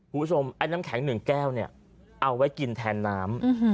ไอ้น้ำแข็ง๑แก้วเนี่ยเอาไว้กินแทนน้ำ